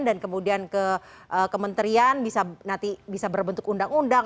dan kemudian ke kementerian bisa nanti bisa berbentuk undang undang